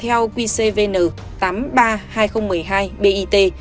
theo quy c v n tám mươi ba hai nghìn một mươi hai b i t